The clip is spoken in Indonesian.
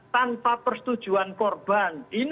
tanpa persetujuan korban